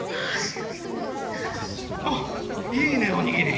あっいいねおにぎり。